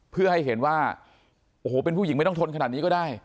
เพื่อให้เห็นว่าโอ้โหเป็นผู้หญิงไม่ต้องทนขนาดนี้ก็ได้